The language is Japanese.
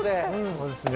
そうですね。